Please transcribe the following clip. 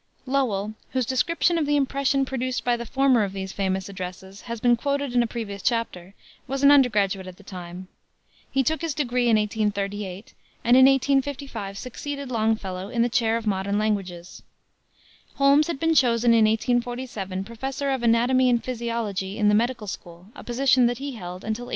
Lowell, whose description of the impression produced by the former of these famous addresses has been quoted in a previous chapter, was an undergraduate at the time. He took his degree in 1838 and in 1855 succeeded Longfellow in the chair of Modern Languages. Holmes had been chosen in 1847 Professor of Anatomy and Physiology in the Medical School a position which he held until 1882.